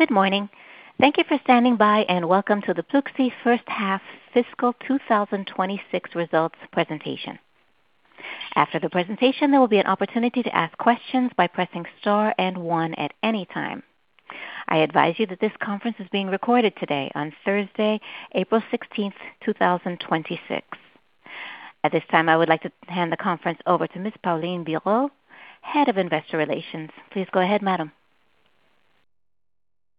Good morning. Thank you for standing by, and welcome to the Pluxee first half fiscal 2026 results presentation. After the presentation, there will be an opportunity to ask questions by pressing star and one at any time. I advise you that this conference is being recorded today on Thursday, April 16th, 2026. At this time, I would like to hand the conference over to Ms. Pauline Bireaud, Head of Investor Relations. Please go ahead, madam.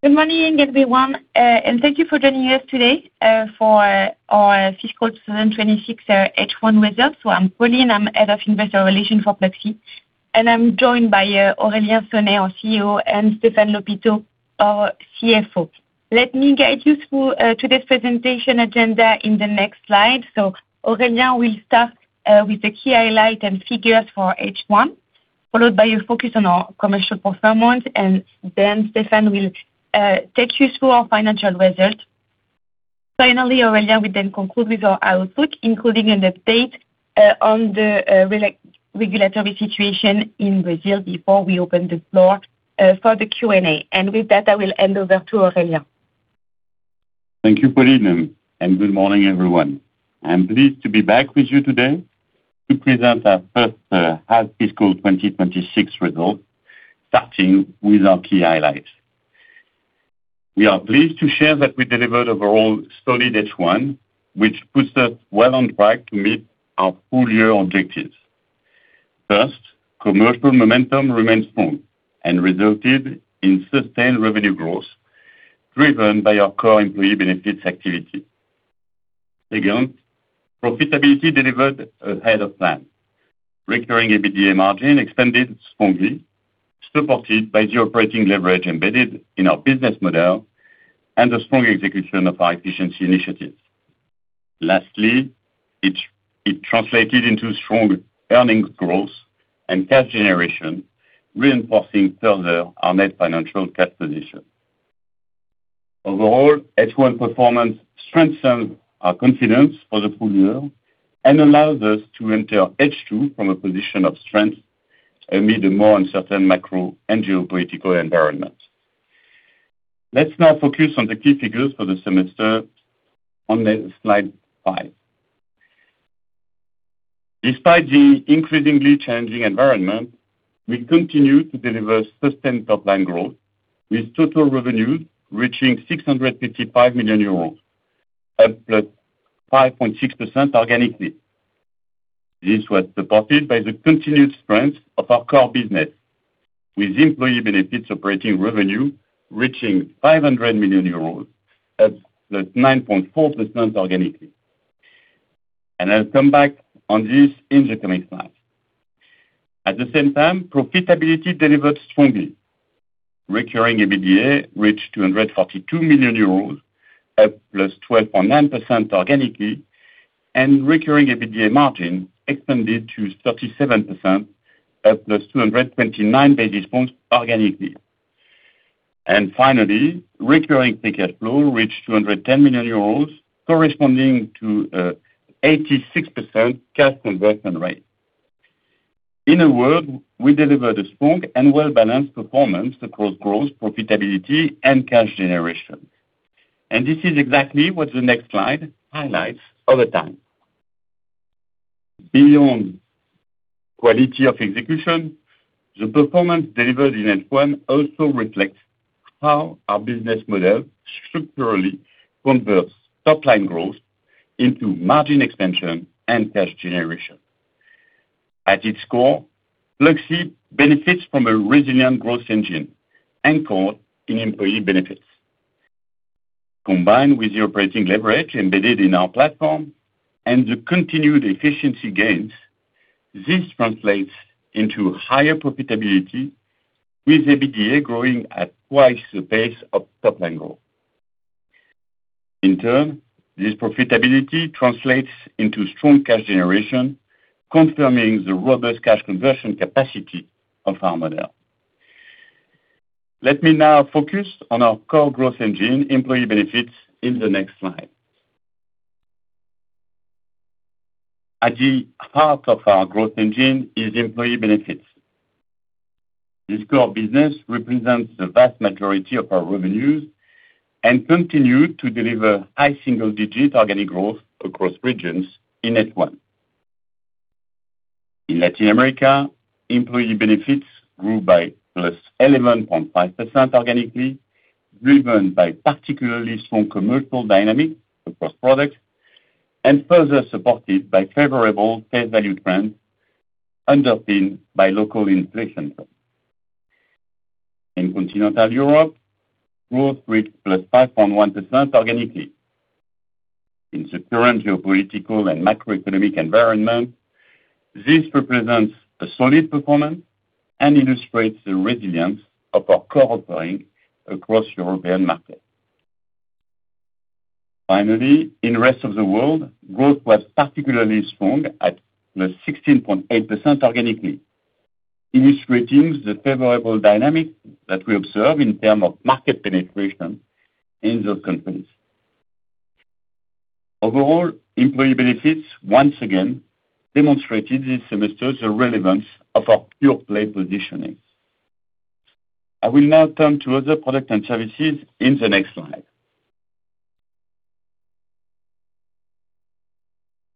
Good morning, everyone, and thank you for joining us today for our fiscal 2026 H1 results. I'm Pauline Bireaud, Head of Investor Relations for Pluxee, and I'm joined by Aurélien Sonet, our CEO, and Stéphane Lhopiteau, our CFO. Let me guide you through today's presentation agenda in the next slide. Aurélien will start with the key highlights and figures for H1, followed by a focus on our commercial performance, and then Stéphane will take you through our financial results. Finally, Aurélien will then conclude with our outlook, including an update on the regulatory situation in Brazil before we open the floor for the Q&A. With that, I will hand over to Aurélien. Thank you, Pauline, and good morning, everyone. I'm pleased to be back with you today to present our first half fiscal 2026 results, starting with our key highlights. We are pleased to share that we delivered overall solid H1, which puts us well on track to meet our full-year objectives. First, commercial momentum remains strong and resulted in sustained revenue growth driven by our core employee benefits activity. Second, profitability delivered ahead of plan. Recurring EBITDA margin expanded strongly, supported by the operating leverage embedded in our business model and the strong execution of our efficiency initiatives. Lastly, it translated into strong earnings growth and cash generation, reinforcing further our net financial cash position. Overall, H1 performance strengthened our confidence for the full year and allows us to enter H2 from a position of strength amid a more uncertain macro and geopolitical environment. Let's now focus on the key figures for the semester on slide five. Despite the increasingly challenging environment, we continue to deliver sustained top-line growth, with total revenues reaching 655 million euros, up +5.6% organically. This was supported by the continued strength of our core business, with employee benefits operating revenue reaching 500 million euros, up +9.4% organically. I'll come back on this in the coming slides. At the same time, profitability delivered strongly. Recurring EBITDA reached 242 million euros, up +12.9% organically, and recurring EBITDA margin expanded to 37%, up +229 basis points organically. Finally, recurring free cash flow reached 210 million euros, corresponding to 86% cash conversion rate. In a word, we delivered a strong and well-balanced performance across growth, profitability, and cash generation. This is exactly what the next slide highlights over time. Beyond quality of execution, the performance delivered in H1 also reflects how our business model structurally converts top-line growth into margin expansion and cash generation. At its core, Pluxee benefits from a resilient growth engine anchored in employee benefits. Combined with the operating leverage embedded in our platform and the continued efficiency gains, this translates into higher profitability, with EBITDA growing at twice the pace of top-line growth. In turn, this profitability translates into strong cash generation, confirming the robust cash conversion capacity of our model. Let me now focus on our core growth engine, employee benefits, in the next slide. At the heart of our growth engine is employee benefits. This core business represents the vast majority of our revenues and continued to deliver high single-digit organic growth across regions in H1. In Latin America, employee benefits grew by +11.5% organically, driven by particularly strong commercial dynamics across products and further supported by favorable pay value trends underpinned by local inflation trends. In Continental Europe, growth reached +5.1% organically. In the current geopolitical and macroeconomic environment, this represents a solid performance and illustrates the resilience of our core offering across European markets. Finally, in rest of the world, growth was particularly strong at +16.8% organically, illustrating the favorable dynamic that we observe in terms of market penetration in those countries. Overall, employee benefits once again demonstrated this semester the relevance of our pure-play positioning. I will now turn to other products and services in the next slide.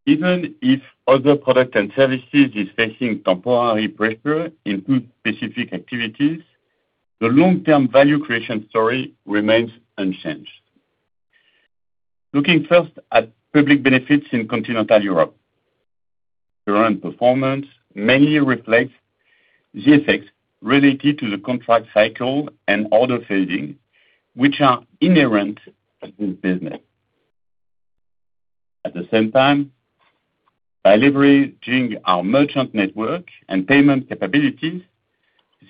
Even if other products and services is facing temporary pressure in two specific activities, the long-term value creation story remains unchanged. Looking first at public benefits in Continental Europe. Current performance mainly reflects the effects related to the contract cycle and order fading, which are inherent to this business. At the same time, by leveraging our merchant network and payment capabilities,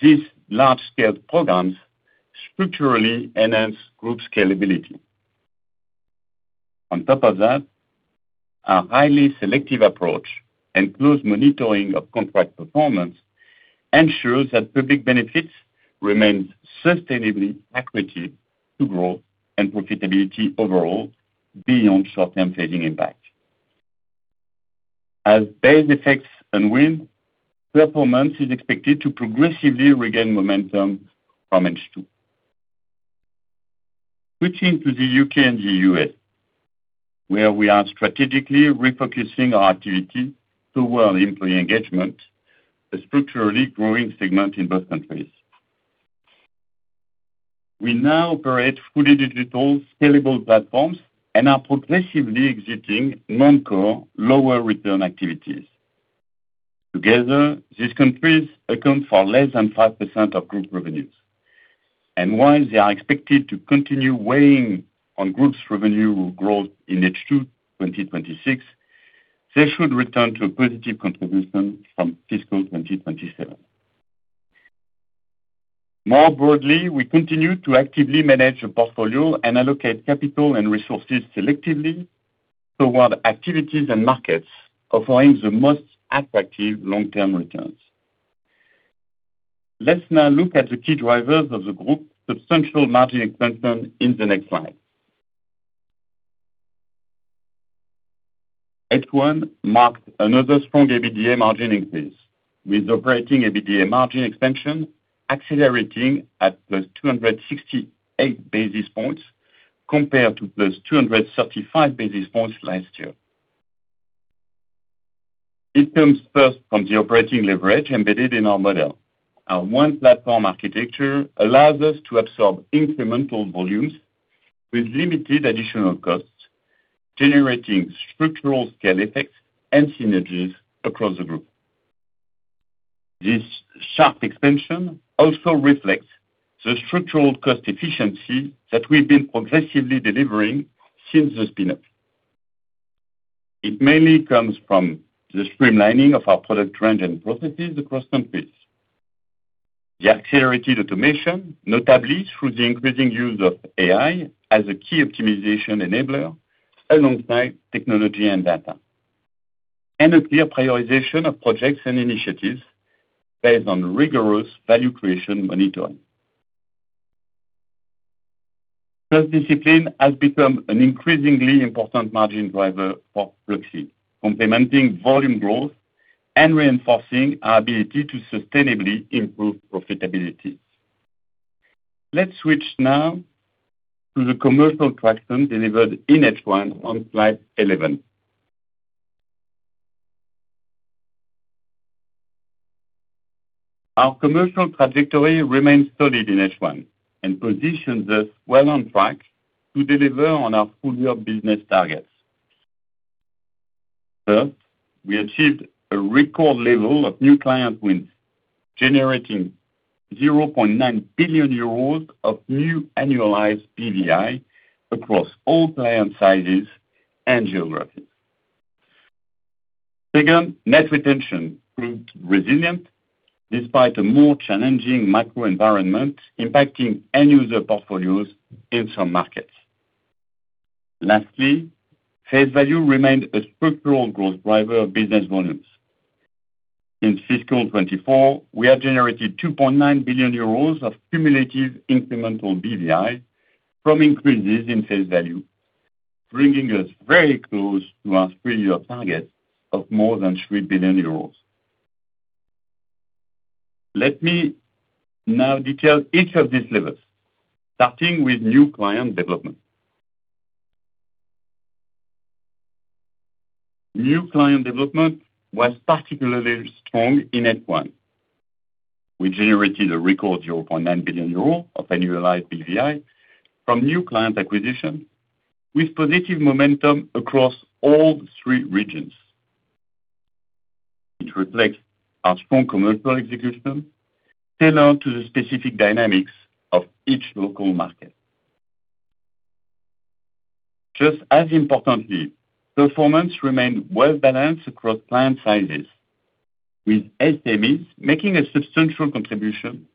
these large-scale programs structurally enhance group scalability. On top of that, a highly selective approach and close monitoring of contract performance ensures that public benefits remains sustainably accretive to growth and profitability overall, beyond short-term fading impact. As base effects unwind, performance is expected to progressively regain momentum from H2. Switching to the U.K. and the U.S., where we are strategically refocusing our activity toward employee engagement, a structurally growing segment in both countries. We now operate fully digital scalable platforms and are progressively exiting non-core, lower return activities. Together, these countries account for less than 5% of group revenues. While they are expected to continue weighing on the group's revenue growth in H2 2026, they should return to a positive contribution from fiscal 2027. More broadly, we continue to actively manage a portfolio and allocate capital and resources selectively toward activities and markets offering the most attractive long-term returns. Let's now look at the key drivers of the group's substantial margin expansion in the next slide. H1 marked another strong EBITDA margin increase, with operating EBITDA margin expansion accelerating at plus 268 basis points compared to plus 235 basis points last year. It comes first from the operating leverage embedded in our model. Our one platform architecture allows us to absorb incremental volumes with limited additional costs, generating structural scale effects and synergies across the group. This sharp expansion also reflects the structural cost efficiency that we've been progressively delivering since the spin-off. It mainly comes from the streamlining of our product range and processes across countries, the accelerated automation, notably through the increasing use of AI as a key optimization enabler alongside technology and data, and a clear prioritization of projects and initiatives based on rigorous value creation monitoring. This discipline has become an increasingly important margin driver for Pluxee, complementing volume growth and reinforcing our ability to sustainably improve profitability. Let's switch now to the commercial traction delivered in H1 on slide 11. Our commercial trajectory remains solid in H1 and positions us well on track to deliver on our full-year business targets. First, we achieved a record level of new client wins, generating 0.9 billion euros of new annualized BVI across all client sizes and geographies. Second, net retention proved resilient despite a more challenging macro environment impacting end user portfolios in some markets. Lastly, face value remained a structural growth driver of business volumes. In fiscal 2024, we have generated 2.9 billion euros of cumulative incremental BVI from increases in face value, bringing us very close to our three-year target of more than 3 billion euros. Let me now detail each of these levels, starting with new client development. New client development was particularly strong in H1. We generated a record 0.9 billion euro of annualized BVI from new client acquisition, with positive momentum across all three regions, which reflects our strong commercial execution tailored to the specific dynamics of each local market. Just as importantly, performance remained well-balanced across client sizes, with SMEs making a substantial contribution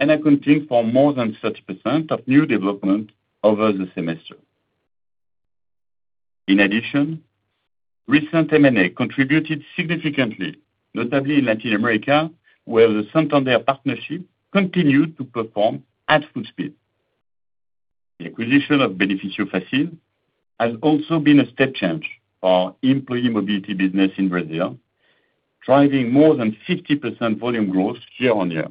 and accounting for more than 30% of new development over the semester. In addition, recent M&A contributed significantly, notably in Latin America, where the Santander partnership continued to perform at full speed. The acquisition of Benefício Fácil has also been a step change for our employee mobility business in Brazil, driving more than 50% volume growth year-on-year.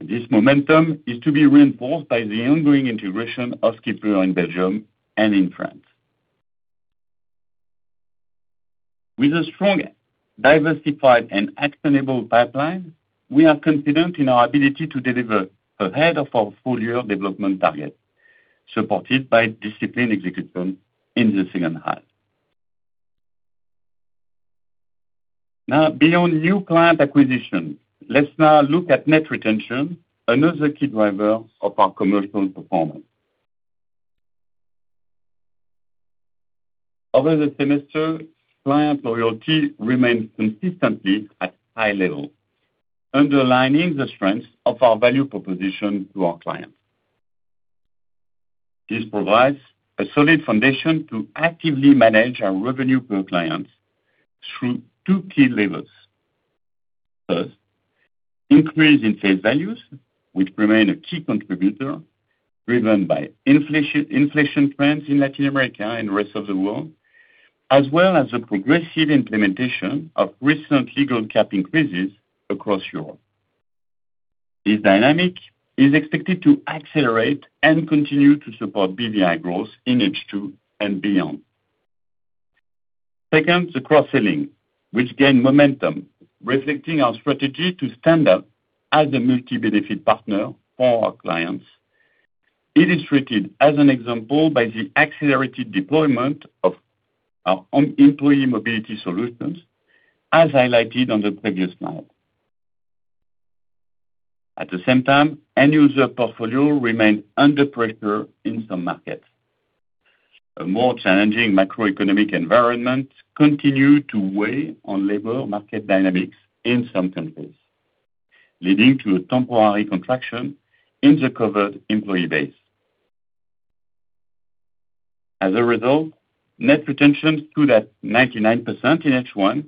This momentum is to be reinforced by the ongoing integration of Skipr in Belgium and in France. With a strong, diversified, and actionable pipeline, we are confident in our ability to deliver ahead of our full-year development target, supported by disciplined execution in the second half. Now, beyond new client acquisition, let's now look at net retention, another key driver of our commercial performance. Over the semester, client loyalty remained consistently at high level, underlining the strength of our value proposition to our clients. This provides a solid foundation to actively manage our revenue per client through two key levers. First, the increase in sales values, which remain a key contributor driven by inflation trends in Latin America and rest of the world, as well as the progressive implementation of recent legal cap increases across Europe. This dynamic is expected to accelerate and continue to support BVI growth in H2 and beyond. Second, the cross-selling, which gain momentum, reflecting our strategy to stand out as a multi-benefit partner for our clients, illustrated as an example by the accelerated deployment of our employee mobility solutions, as highlighted on the previous slide. At the same time, end user portfolio remained under pressure in some markets. A more challenging macroeconomic environment continued to weigh on labor market dynamics in some countries, leading to a temporary contraction in the covered employee base. As a result, net retention stood at 99% in H1,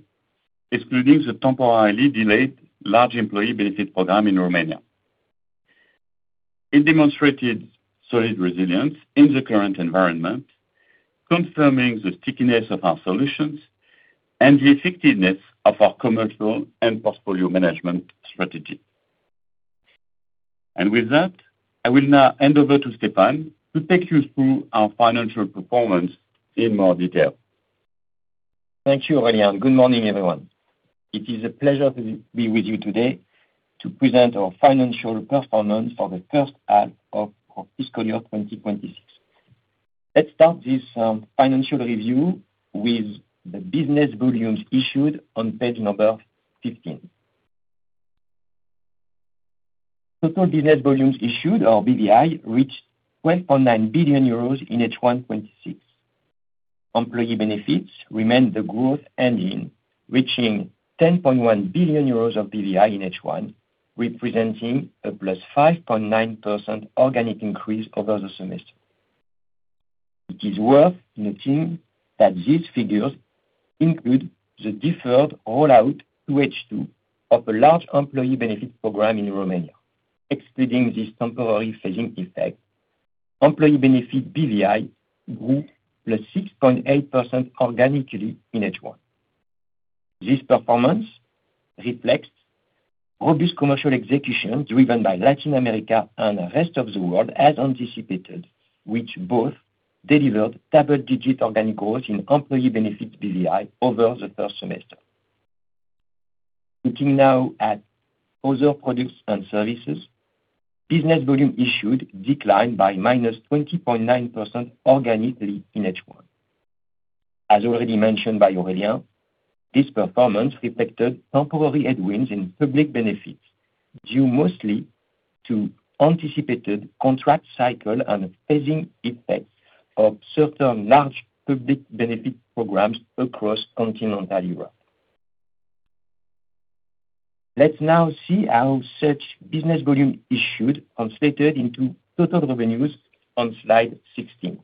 excluding the temporarily delayed large employee benefit program in Romania. It demonstrated solid resilience in the current environment, confirming the stickiness of our solutions and the effectiveness of our commercial and portfolio management strategy. With that, I will now hand over to Stéphane to take you through our financial performance in more detail. Thank you, Aurélien. Good morning, everyone. It is a pleasure to be with you today to present our financial performance for the first half of our fiscal year 2026. Let's start this financial review with the business volumes issued on page 15. Total business volumes issued, or BVI, reached 12.9 billion euros in H1 2026. Employee benefits remained the growth engine, reaching 10.1 billion euros of BVI in H1, representing a +5.9% organic increase over the semester. It is worth noting that these figures include the deferred rollout to H2 of a large employee benefit program in Romania. Excluding this temporary phasing effect, employee benefit BVI grew +6.8% organically in H1. This performance reflects robust commercial execution driven by Latin America and the rest of the world as anticipated, which both delivered double-digit organic growth in employee benefit BVI over the first semester. Looking now at other products and services, business volume issued declined by -20.9% organically in H1. As already mentioned by Aurélien, this performance reflected temporary headwinds in public benefits, due mostly to anticipated contract cycle and phasing effects of certain large public benefit programs across continental Europe. Let's now see how such business volume issued translated into total revenues on slide 16.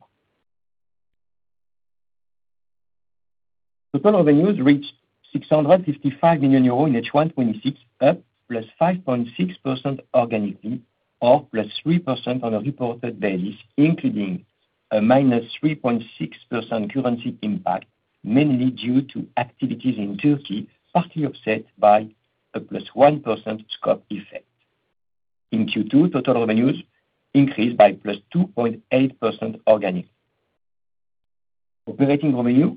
Total revenues reached 655 million euros in H1 2026, up +5.6% organically or +3% on a reported basis, including a -3.6% currency impact, mainly due to activities in Turkey, partly offset by a +1% scope effect. In Q2, total revenues increased by +2.8% organically. Operating revenue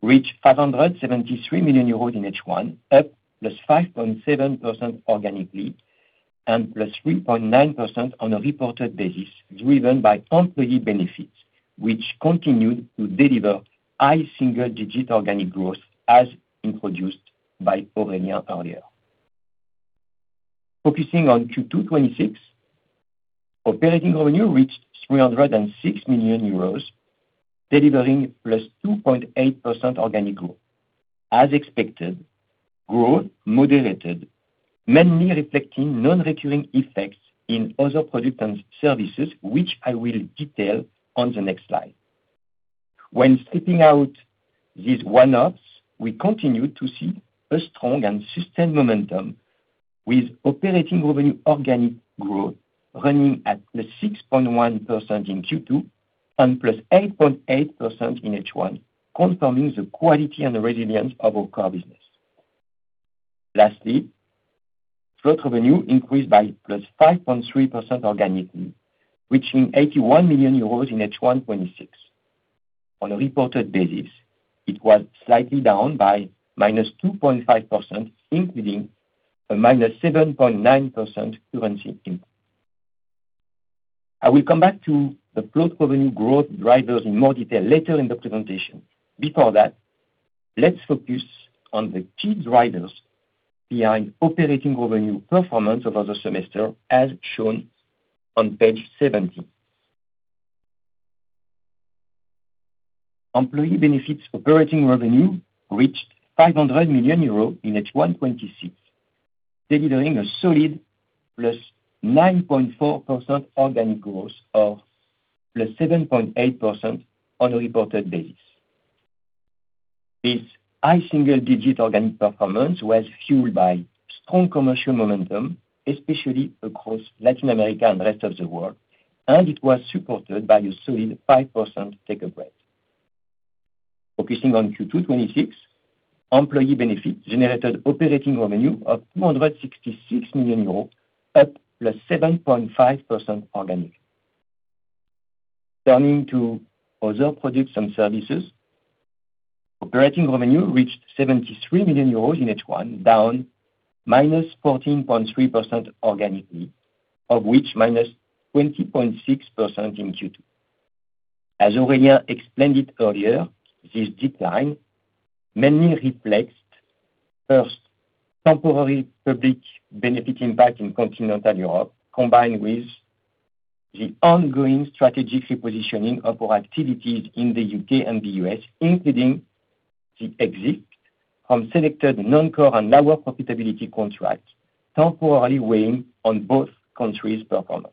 reached 573 million euros in H1, up +5.7% organically and +3.9% on a reported basis, driven by employee benefits, which continued to deliver high single-digit organic growth, as introduced by Aurélien earlier. Focusing on Q2 2026, operating revenue reached 306 million euros, delivering +2.8% organic growth. As expected, growth moderated, mainly reflecting non-recurring effects in other products and services, which I will detail on the next slide. When stripping out these one-offs, we continue to see a strong and sustained momentum with operating revenue organic growth running at +6.1% in Q2 and +8.8% in H1, confirming the quality and the resilience of our core business. Lastly, float revenue increased by +5.3% organically, reaching 81 million euros in H1 2026. On a reported basis, it was slightly down by -2.5%, including a -7.9% currency impact. I will come back to the float revenue growth drivers in more detail later in the presentation. Before that, let's focus on the key drivers behind operating revenue performance over the semester, as shown on page 17. Employee benefits operating revenue reached 500 million euros in H1 2026, delivering a solid +9.4% organic growth, or +7.8% on a reported basis. This high single-digit organic performance was fueled by strong commercial momentum, especially across Latin America and rest of the world, and it was supported by a solid 5% take-up rate. Focusing on Q2 2026, employee benefits generated operating revenue of 266 million euros, up +7.5% organically. Turning to other products and services, operating revenue reached 73 million euros in H1, down -14.3% organically, of which -20.6% in Q2. As Aurélien explained it earlier, this decline mainly reflects first temporary public benefit impact in Continental Europe, combined with the ongoing strategic repositioning of our activities in the U.K. and the U.S., including the exit from selected non-core and lower profitability contracts, temporarily weighing on both countries' performance.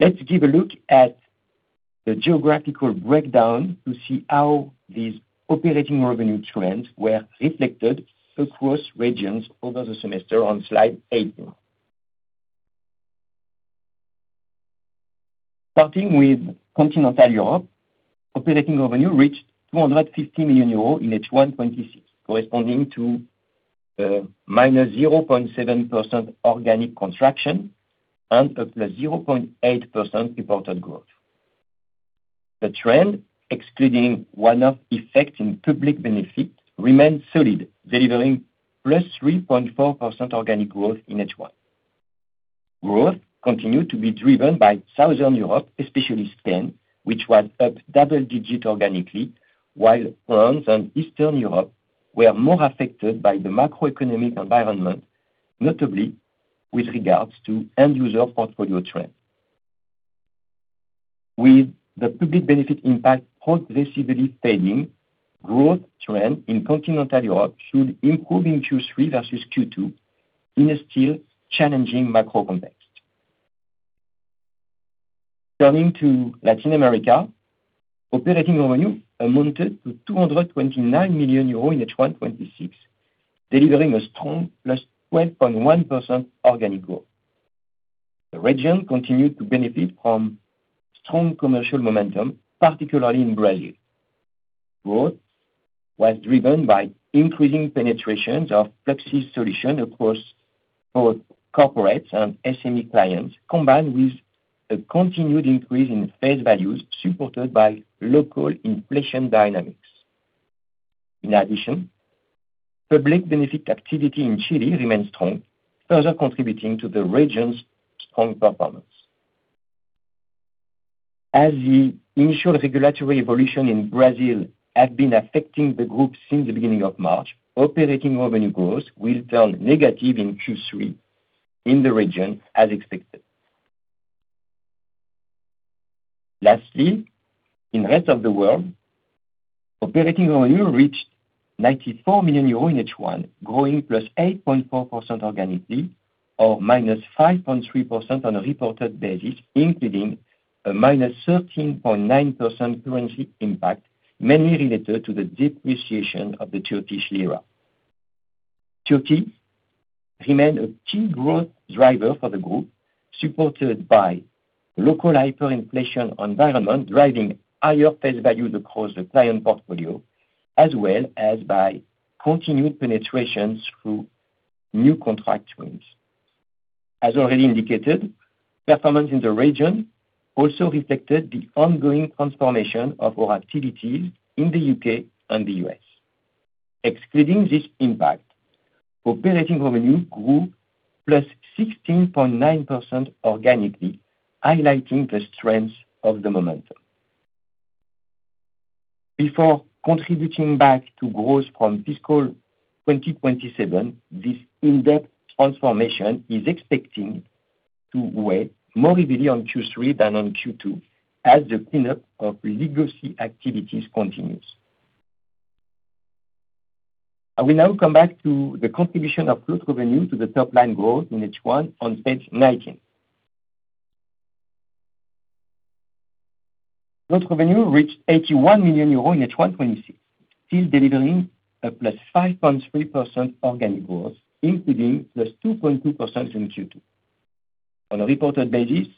Let's give a look at the geographical breakdown to see how these operating revenue trends were reflected across regions over the semester on slide 18. Starting with Continental Europe, operating revenue reached 250 million euros in H1 2026, corresponding to a -0.7% organic contraction and a +0.8% reported growth. The trend, excluding one-off effect in public benefit, remained solid, delivering +3.4% organic growth in H1. Growth continued to be driven by Southern Europe, especially Spain, which was up double-digit organically, while France and Eastern Europe were more affected by the macroeconomic environment, notably with regards to end user portfolio trend. With the public benefit impact progressively fading, growth trend in Continental Europe should improve in Q3 versus Q2 in a still challenging macro context. Turning to Latin America, operating revenue amounted to 229 million euros in H1 2026, delivering a strong +12.1% organic growth. The region continued to benefit from strong commercial momentum, particularly in Brazil. Growth was driven by increasing penetrations of Flexis solution across both corporate and SME clients, combined with a continued increase in face values supported by local inflation dynamics. In addition, public benefit activity in Chile remains strong, further contributing to the region's strong performance. As the initial regulatory evolution in Brazil has been affecting the group since the beginning of March, operating revenue growth will turn negative in Q3 in the region as expected. Lastly, in rest of the world, operating revenue reached 94 million euro in H1, growing +8.4% organically or -5.3% on a reported basis, including a -13.9% currency impact, mainly related to the depreciation of the Turkish lira. Turkey remained a key growth driver for the group, supported by local hyperinflation environment, driving higher face values across the client portfolio, as well as by continued penetration through new contract wins. As already indicated, performance in the region also reflected the ongoing transformation of our activities in the U.K. and the U.S. Excluding this impact, operating revenue grew +16.9% organically, highlighting the strength of the momentum. Before contributing back to growth from fiscal 2027, this in-depth transformation is expected to weigh more heavily on Q3 than on Q2 as the cleanup of legacy activities continues. I will now come back to the contribution of float revenue to the top-line growth in H1 on page 19. Float revenue reached 81 million euros in H1 2026, still delivering a +5.3% organic growth, including +2.2% in Q2. On a reported basis,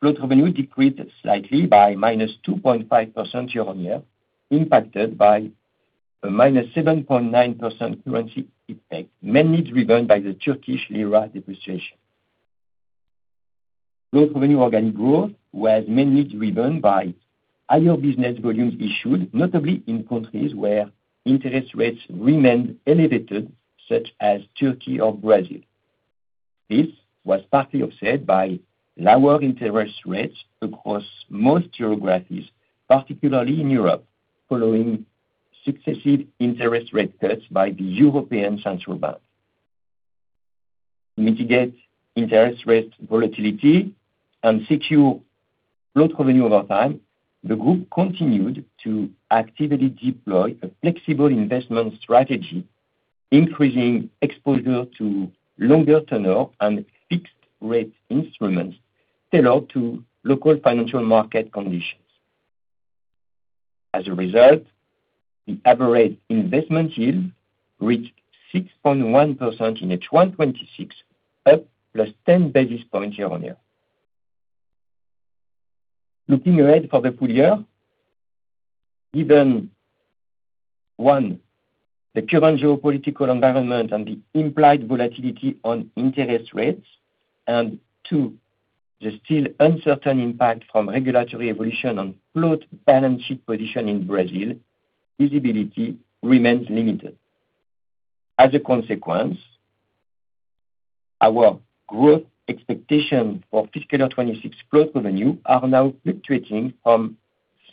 float revenue decreased slightly by -2.5% year-on-year, impacted by a -7.9% currency impact, mainly driven by the Turkish lira depreciation. Float revenue organic growth was mainly driven by higher business volumes issued, notably in countries where interest rates remained elevated, such as Turkey or Brazil. This was partly offset by lower interest rates across most geographies, particularly in Europe, following successive interest rate cuts by the European Central Bank. To mitigate interest rate volatility and secure float revenue over time, the group continued to actively deploy a flexible investment strategy, increasing exposure to longer tenure and fixed rate instruments tailored to local financial market conditions. As a result, the average investment yield reached 6.1% in H1 2026, up +10 basis points year-on-year. Looking ahead for the full year, given one, the current geopolitical environment and the implied volatility on interest rates, and two, the still uncertain impact from regulatory evolution on float balance sheet position in Brazil, visibility remains limited. As a consequence, our growth expectation for fiscal year 2026 float revenue are now fluctuating from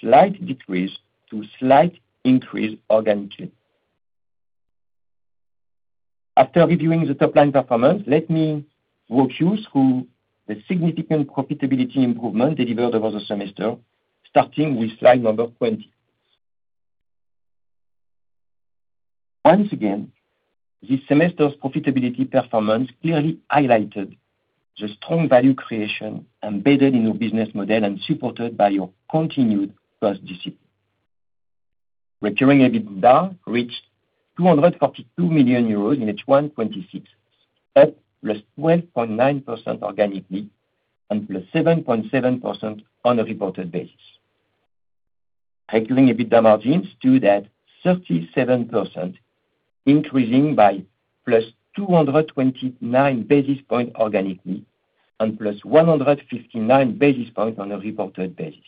slight decrease to slight increase organically. After reviewing the top-line performance, let me walk you through the significant profitability improvement delivered over the semester, starting with slide number 20. Once again, this semester's profitability performance clearly highlighted the strong value creation embedded in our business model and supported by our continued cost discipline. Recurring EBITDA reached 242 million euros in H1 2026, up +12.9% organically and +7.7% on a reported basis. Recurring EBITDA margins stood at 37%, increasing by +229 basis points organically and +159 basis points on a reported basis.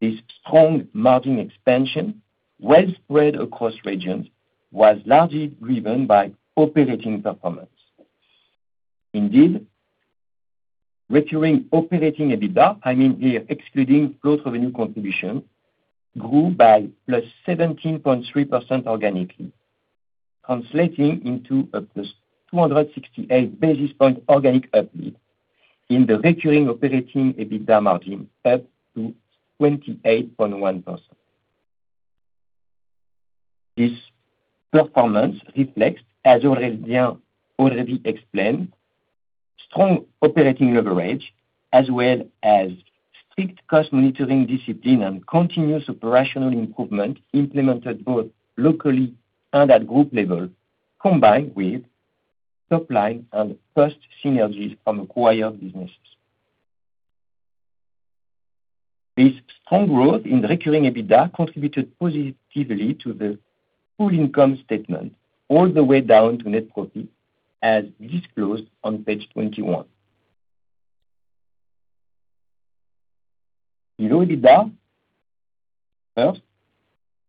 This strong margin expansion, well spread across regions, was largely driven by operating performance. Indeed, recurring operating EBITDA, I mean here, excluding float revenue contribution, grew by +17.3% organically, translating into a +268 basis points organic uplift in the recurring operating EBITDA margin, up to 28.1%. This performance reflects, as already explained, strong operating leverage as well as strict cost monitoring discipline and continuous operational improvement implemented both locally and at group level, combined with top-line and cost synergies from acquired businesses. This strong growth in recurring EBITDA contributed positively to the full income statement, all the way down to net profit, as disclosed on page 21. Below EBITDA, first,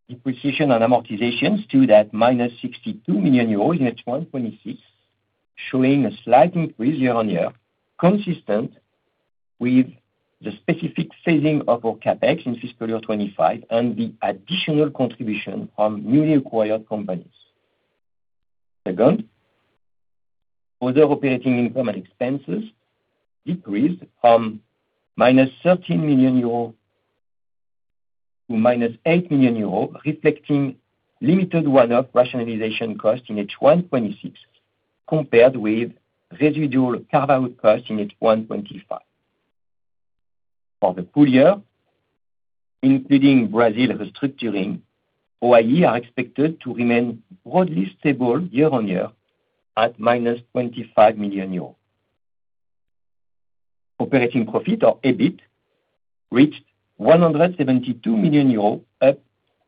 depreciation and amortizations stood at -62 million euros in H1 2026, showing a slight increase year-on-year, consistent with the specific phasing of our CapEx in fiscal year 2025 and the additional contribution from newly acquired companies. Second, other operating income and expenses decreased from minus 13 million euros to minus 8 million euros, reflecting limited one-off rationalization cost in H1 2026 compared with residual carve-out cost in H1 2025. For the full year, including Brazil restructuring, OIE are expected to remain broadly stable year-on-year at minus 25 million euros. Operating profit or EBIT reached 172 million euros, up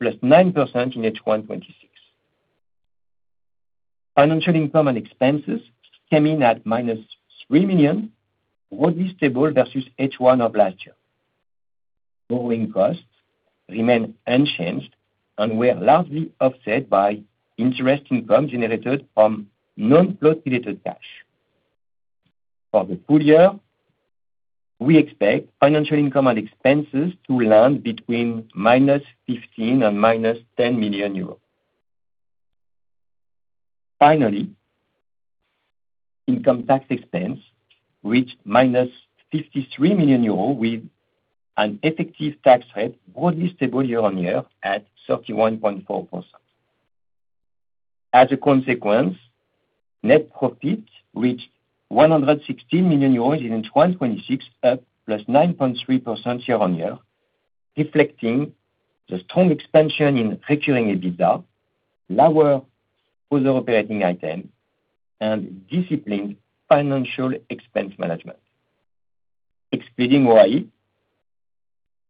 +9% in H1 2026. Financial income and expenses came in at minus 3 million, broadly stable versus H1 of last year. Borrowing costs remained unchanged and were largely offset by interest income generated from non-float-related cash. For the full year, we expect financial income and expenses to land between minus 15 million and minus 10 million euros. Finally, income tax expense reached minus 53 million euros with an effective tax rate broadly stable year-on-year at 31.4%. As a consequence, net profit reached 116 million euros in 2026, up +9.3% year-on-year, reflecting the strong expansion in recurring EBITDA, lower other operating items, and disciplined financial expense management. Excluding OI,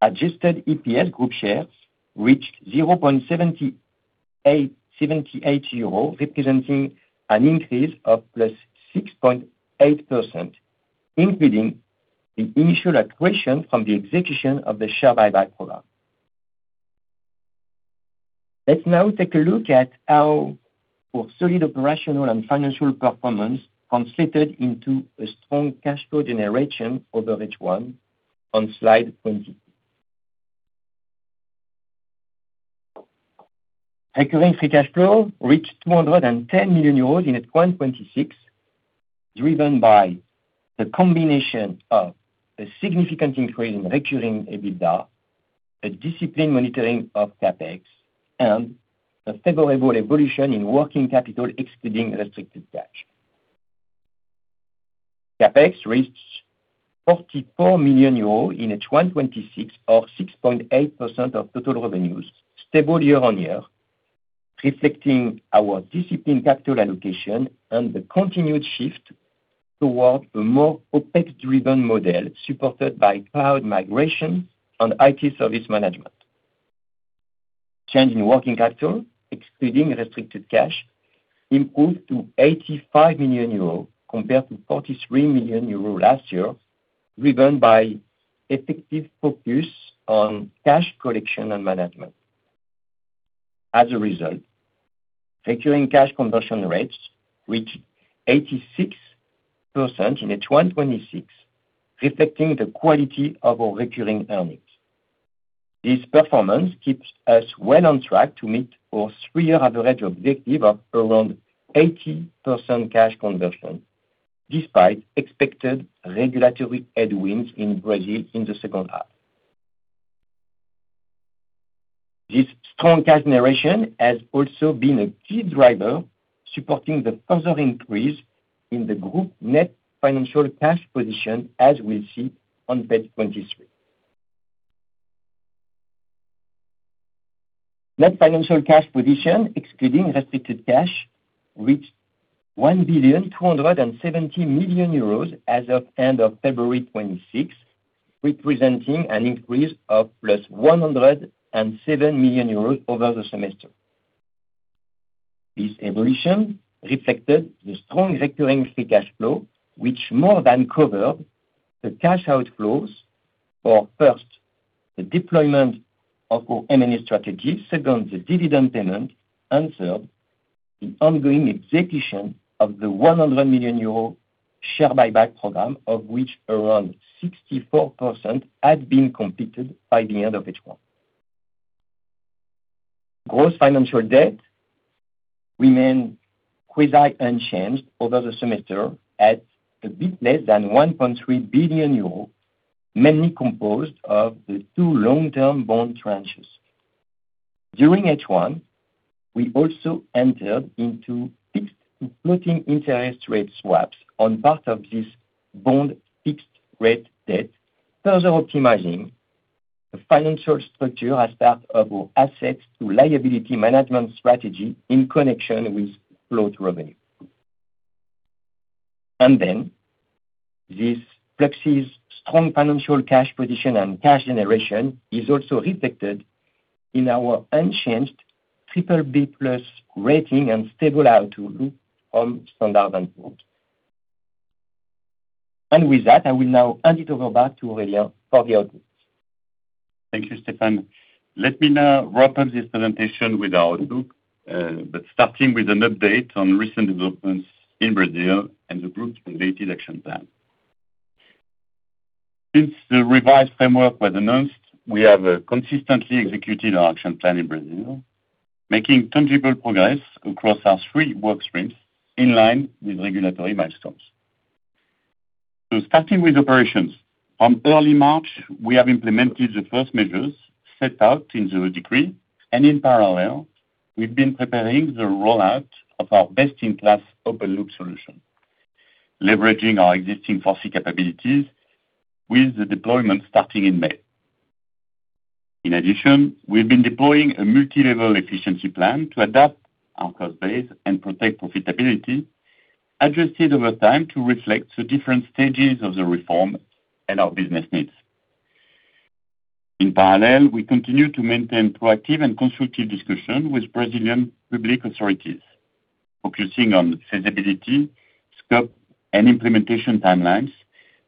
adjusted EPS group shares reached 0.78 euros, representing an increase of +6.8%, including the initial accretion from the execution of the share buyback program. Let's now take a look at how our solid operational and financial performance translated into a strong cash flow generation over H1 on slide 20. Recurring free cash flow reached more than 10 million euros in 2026, driven by the combination of a significant increase in recurring EBITDA, a disciplined monitoring of CapEx, and a favorable evolution in working capital excluding restricted cash. CapEx reached 44 million euros in 2026 or 6.8% of total revenues, stable year-over-year, reflecting our disciplined capital allocation and the continued shift toward a more OpEx-driven model supported by cloud migration and IT service management. Change in working capital, excluding restricted cash, improved to 85 million euros compared to 43 million euros last year, driven by effective focus on cash collection and management. As a result, recurring cash conversion rates reached 86% in 2026, reflecting the quality of our recurring earnings. This performance keeps us well on track to meet our three-year average objective of around 80% cash conversion, despite expected regulatory headwinds in Brazil in the second half. This strong cash generation has also been a key driver supporting the further increase in the group net financial cash position, as we'll see on page 23. Net financial cash position, excluding restricted cash, reached 1,270,000 euros as of end of February 2026, representing an increase of plus 107 million euros over the semester. This evolution reflected the strong recurring free cash flow, which more than covered the cash outflows for first, the deployment of our M&A strategy, second, the dividend payment, and third, the ongoing execution of the 100 million euro share buyback program, of which around 64% had been completed by the end of H1. Gross financial debt remained quasi unchanged over the semester at a bit less than 1.3 billion euros, mainly composed of the two long-term bond tranches. During H1, we also entered into fixed floating interest rate swaps on part of this bond fixed rate debt, further optimizing the financial structure as part of our asset-liability management strategy in connection with float revenue. This Pluxee's strong financial cash position and cash generation is also reflected in our unchanged triple B plus rating and stable outlook from Standard & Poor's. With that, I will now hand it over back to Aurélien for the outlook. Thank you, Stéphane. Let me now wrap up this presentation with our outlook, but starting with an update on recent developments in Brazil and the group's related action plan. Since the revised framework was announced, we have consistently executed our action plan in Brazil, making tangible progress across our three work streams in line with regulatory milestones. Starting with operations. From early March, we have implemented the first measures set out in the decree, and in parallel, we've been preparing the rollout of our best-in-class open loop solution, leveraging our existing Pluxee capabilities with the deployment starting in May. In addition, we've been deploying a multilevel efficiency plan to adapt our cost base and protect profitability, adjusted over time to reflect the different stages of the reform and our business needs. In parallel, we continue to maintain proactive and constructive discussion with Brazilian public authorities, focusing on feasibility, scope, and implementation timelines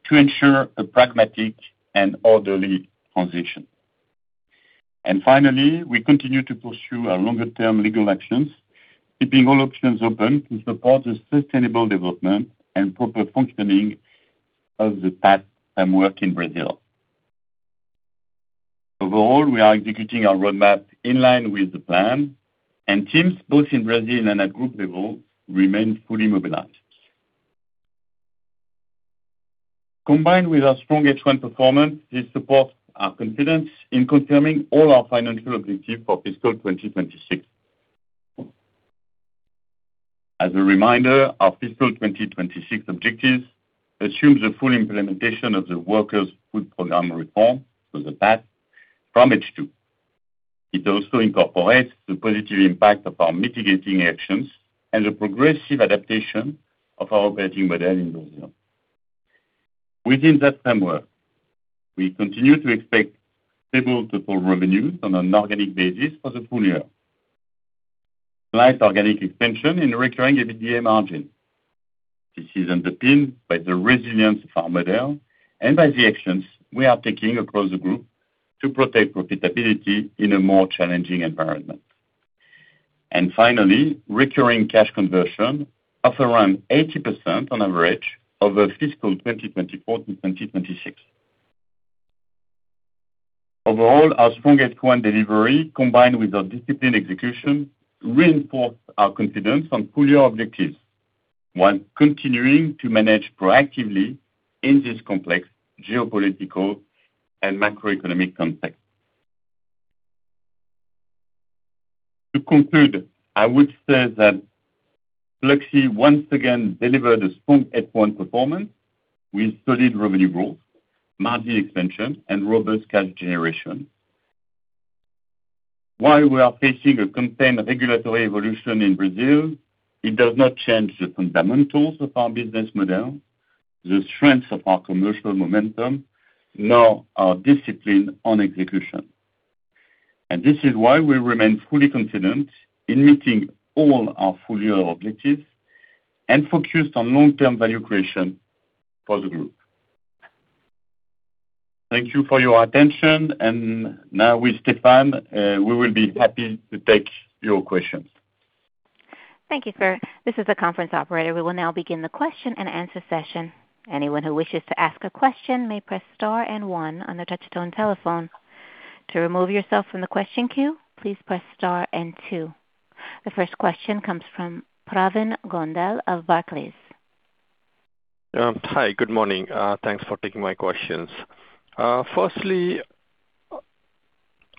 to ensure a pragmatic and orderly transition. Finally, we continue to pursue our longer term legal actions, keeping all options open to support the sustainable development and proper functioning of the PAT framework in Brazil. Overall, we are executing our roadmap in line with the plan, and teams both in Brazil and at group level remain fully mobilized. Combined with our strong H1 performance, this supports our confidence in confirming all our financial objectives for fiscal 2026. As a reminder, our fiscal 2026 objectives assume the full implementation of the Workers' Food Program reform for the PAT from H2. It also incorporates the positive impact of our mitigating actions and the progressive adaptation of our operating model in Brazil. Within that framework, we continue to expect stable total revenues on an organic basis for the full year. Light organic expansion in recurring EBITDA margin. This is underpinned by the resilience of our model and by the actions we are taking across the group to protect profitability in a more challenging environment. Finally, recurring cash conversion of around 80% on average over fiscal 2024 to 2026. Overall, our strong H1 delivery, combined with our disciplined execution, reinforce our confidence on full-year objectives, while continuing to manage proactively in this complex geopolitical and macroeconomic context. To conclude, I would say that Pluxee once again delivered a strong H1 performance with solid revenue growth, margin expansion, and robust cash generation. While we are facing a contained regulatory evolution in Brazil, it does not change the fundamentals of our business model, the strength of our commercial momentum, nor our discipline on execution. This is why we remain fully confident in meeting all our full-year objectives and focused on long-term value creation for the group. Thank you for your attention. Now with Stéphane, we will be happy to take your questions. Thank you, sir. This is the conference operator. We will now begin the question-and-answer session. Anyone who wishes to ask a question may press star and one on the touch-tone telephone. To remove yourself from the question queue, please press star and two. The first question comes from Pravin Gondhale of Barclays. Hi. Good morning. Thanks for taking my questions. Firstly,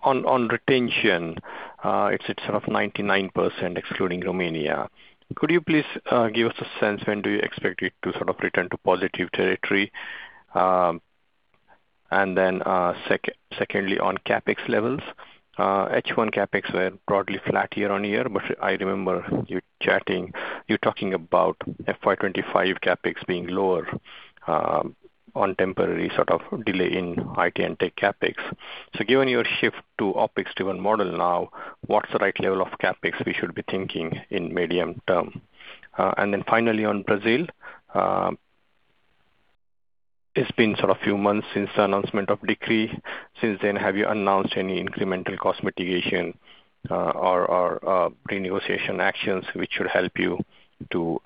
on retention, it's at sort of 99%, excluding Romania. Could you please give us a sense when do you expect it to sort of return to positive territory? Secondly, on CapEx levels, H1 CapEx were broadly flat year-on-year, but I remember you talking about FY 2025 CapEx being lower on temporary sort of delay in IT and tech CapEx. Given your shift to OpEx-driven model now, what's the right level of CapEx we should be thinking in medium term? Finally on Brazil. It's been sort of a few months since the announcement of decree. Since then, have you announced any incremental cost mitigation or pre-negotiation actions which will help you to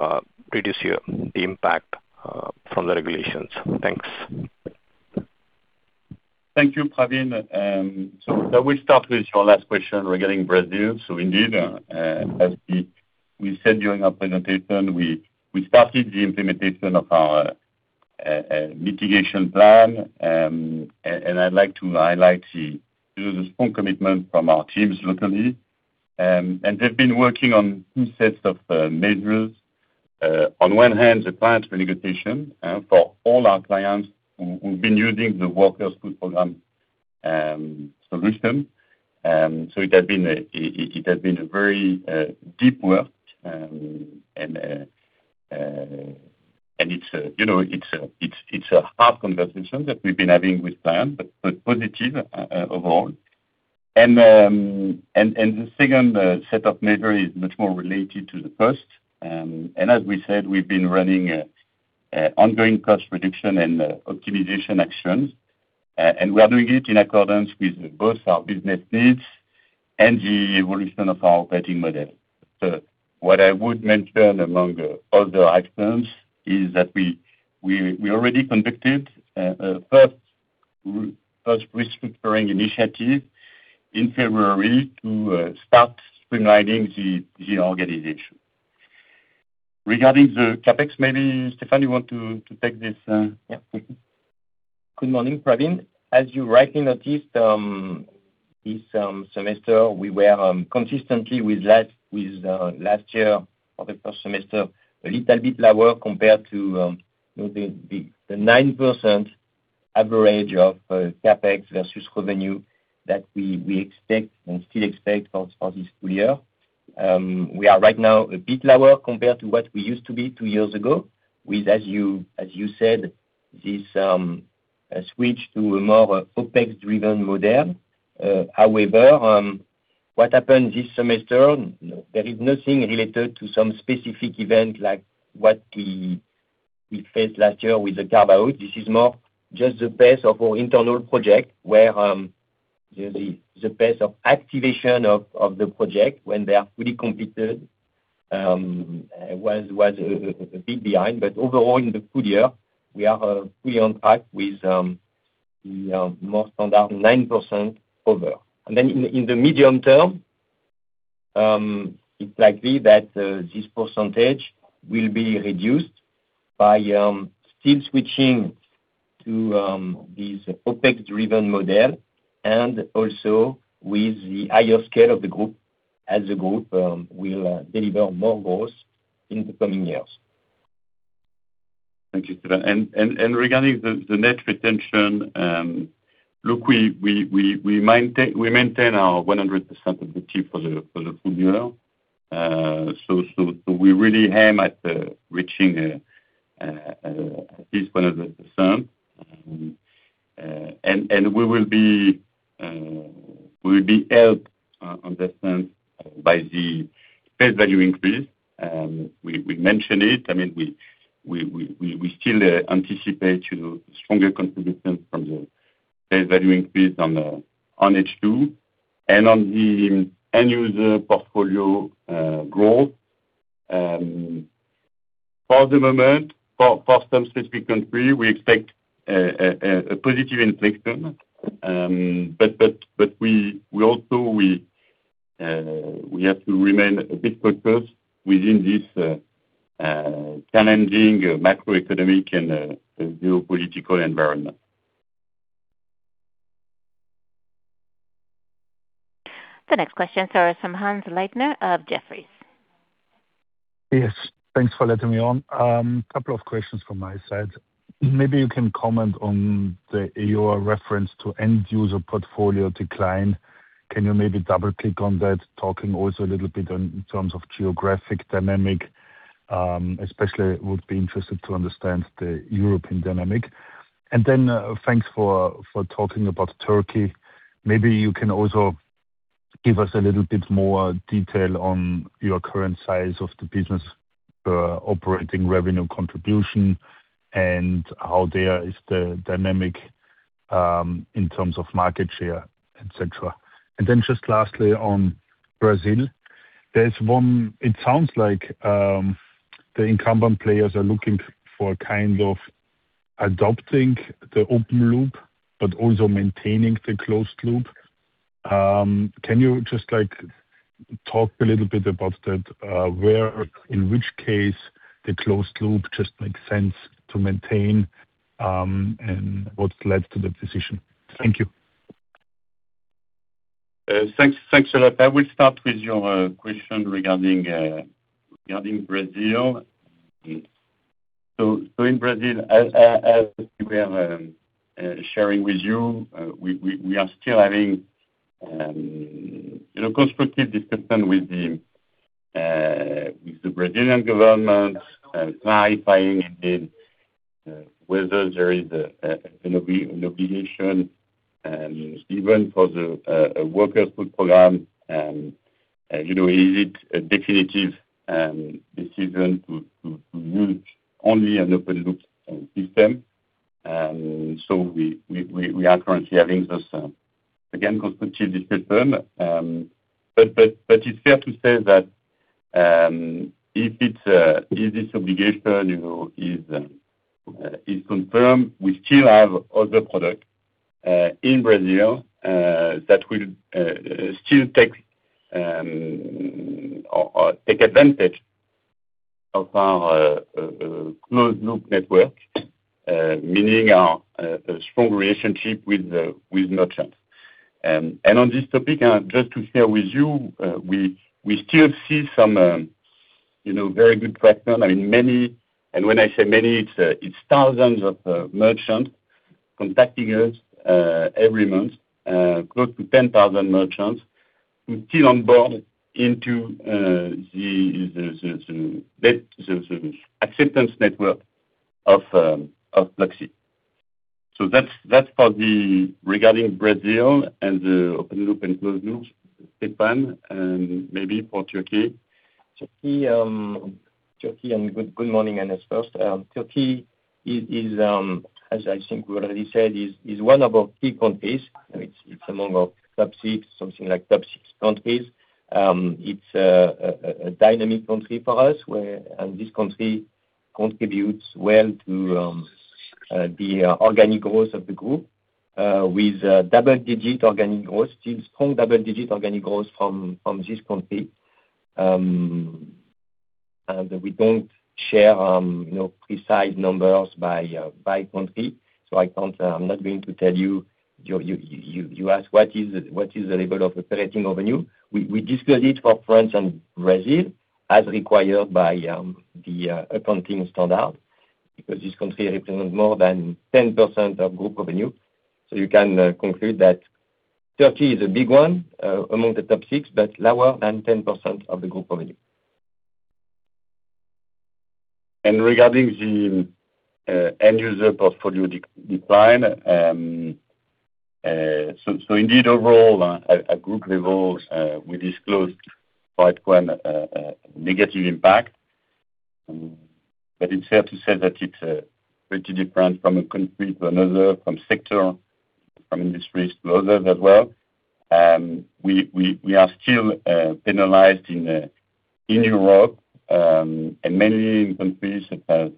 reduce the impact from the regulations? Thanks. Thank you, Pravin. I will start with your last question regarding Brazil. Indeed, as we said during our presentation, we started the implementation of our mitigation plan. I'd like to highlight the strong commitment from our teams locally. They've been working on two sets of measures. On one hand, the client renegotiation for all our clients who've been using the Workers' Food Program solution. It has been a very deep work, and it's a hard conversation that we've been having with clients, but positive overall. The second set of measure is much more related to the first. As we said, we've been running ongoing cost reduction and optimization actions, and we are doing it in accordance with both our business needs and the evolution of our operating model. What I would mention among other items is that we already conducted a first restructuring initiative in February to start streamlining the organization. Regarding the CapEx, maybe, Stéphane, you want to take this? Good morning, Pravin. As you rightly noticed, this semester, we were consistently with last year for the first semester, a little bit lower compared to the 9% average of CapEx versus revenue that we expect and still expect for this full year. We are right now a bit lower compared to what we used to be two years ago with, as you said, this switch to a more OpEx-driven model. However, what happened this semester, there is nothing related to some specific event like what we faced last year with the carve-out. This is more just the pace of our internal project, where the pace of activation of the project when they are fully completed, was a bit behind. Overall, in the full year, we are fully on track with more standard 9% over. In the medium term, it's likely that this percentage will be reduced by still switching to this OpEx-driven model and also with the higher scale of the group as a group will deliver more growth in the coming years. Thank you, Stéphane. Regarding the net retention, look, we maintain our 100% of the T for the full year. We really aim at reaching at least 100%. We will be helped on that front by the face value increase. We mention it. We still anticipate stronger contribution from the face value increase on H2 and on the end user portfolio growth. For the moment, for some specific country, we expect a positive inflection, but we also have to remain a bit cautious within this challenging macroeconomic and geopolitical environment. The next questions are from Hannes Leitner of Jefferies. Yes, thanks for letting me on. Couple of questions from my side. Maybe you can comment on your reference to end user portfolio decline. Can you maybe double-click on that, talking also a little bit in terms of geographic dynamic, especially, I would be interested to understand the European dynamic. Thanks for talking about Turkey. Maybe you can also give us a little bit more detail on your current size of the business, operating revenue contribution, and how there is the dynamic in terms of market share, et cetera. Just lastly on Brazil. It sounds like the incumbent players are looking for kind of adopting the open loop, but also maintaining the closed loop. Can you just talk a little bit about that, where in which case the closed loop just makes sense to maintain, and what's led to that decision? Thank you. Thanks a lot. I will start with your question regarding Brazil. In Brazil, as we are sharing with you, we are still having constructive discussion with the Brazilian government, clarifying whether there is an obligation, and even for the Workers' Food Program, is it a definitive decision to move only an open loop system. We are currently having those, again, constructive discussion. It's fair to say that if this obligation is confirmed, we still have other product in Brazil that will still take advantage of our closed loop network, meaning our strong relationship with merchants. On this topic, just to share with you, we still see some very good traction. I mean many, and when I say many, it's thousands of merchants contacting us every month, close to 10,000 merchants, who still on board into the acceptance network of Pluxee. That's regarding Brazil and the open loop and closed loop, Stéphane, and maybe for Turkey. Turkey, good morning, Hannes, first. Turkey is, as I think we already said, one of our key countries. It's among our top six, something like top six countries. It's a dynamic country for us, and this country contributes well to the organic growth of the group, with strong double-digit organic growth from this country. We don't share precise numbers by country, so I'm not going to tell you. You ask what is the level of operating revenue. We disclose it for France and Brazil as required by the accounting standard, because this country represents more than 10% of group revenue. You can conclude that Turkey is a big one among the top six, but lower than 10% of the group revenue. Regarding the end user portfolio decline. Indeed overall, at group levels, we disclosed quite a negative impact. It's fair to say that it's pretty different from one country to another, from sector, from industries to others as well. We are still penalized in Europe, and many countries such as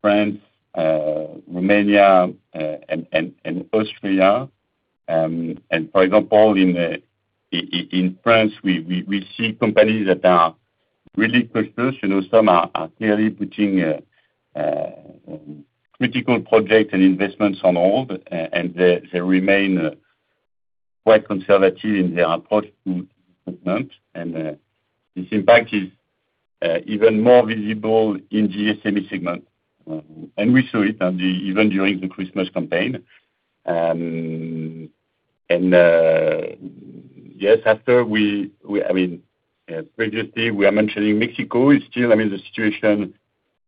France, Romania, and Austria. For example, in France, we see companies that are really cautious. Some are clearly putting critical projects and investments on hold, and they remain quite conservative in their approach to investment. This impact is even more visible in the SME segment. We saw it even during the Christmas campaign. Yes, previously we are mentioning Mexico. The situation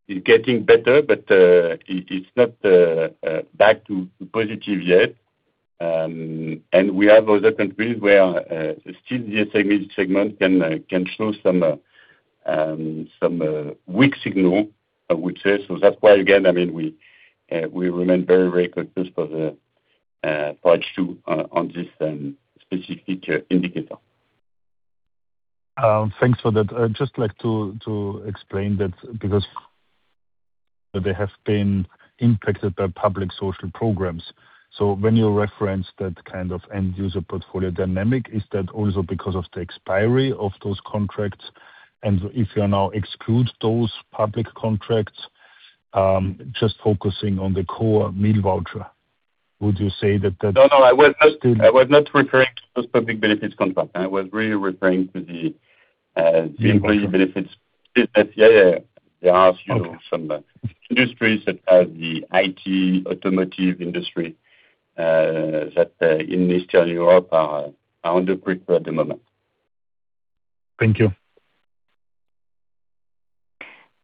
is getting better, but it's not back to positive yet. We have other countries where still the SME segment can show some weak signal, I would say. That's why, again, we remain very cautious for the H2 on this specific indicator. Thanks for that. I'd just like to explain that because they have been impacted by public social programs. When you reference that kind of end user portfolio dynamic, is that also because of the expiry of those contracts? If you now exclude those public contracts, just focusing on the core meal voucher, would you say that— No, I was not referring to those public benefits contracts. I was really referring to the employee benefits business. Yeah. There are some industries, such as the IT, automotive industry, that in Eastern Europe are under pressure at the moment. Thank you.